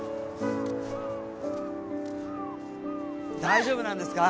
大丈夫なんですか？